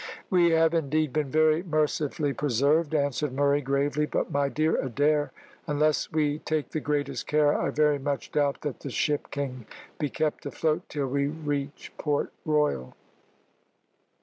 "We have indeed been very mercifully preserved," answered Murray, gravely. "But, my dear Adair, unless we take the greatest care, I very much doubt that the ship can be kept afloat till we reach Port Royal."